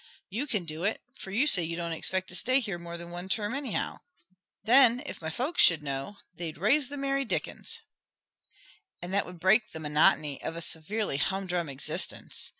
You can do it, for you say you don't expect to stay here more than one term, anyhow. Then if my folks should know, they'd raise the merry dickens." "And that would break the monotony of a severely humdrum existence.